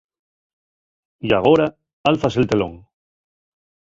Y agora álzase'l telón.